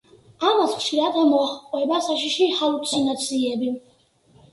ამას ხშირად მოჰყვება საშიში ჰალუცინაციები.